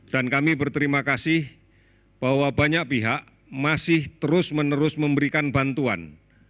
dan kami berterima kasih bahwa banyak pihak masih terus menerus memberikan bantuan